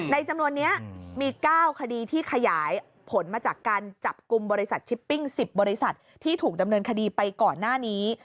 จำนวนนี้มี๙คดีที่ขยายผลมาจากการจับกลุ่มบริษัทชิปปิ้ง๑๐บริษัทที่ถูกดำเนินคดีไปก่อนหน้านี้